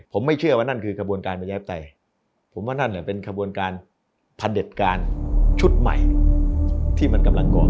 ผมไม่เชื่อว่านั่นคือกระบวนการประชาธิปไตยผมว่านั่นแหละเป็นขบวนการพระเด็จการชุดใหม่ที่มันกำลังก่อน